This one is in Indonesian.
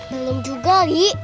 belum juga li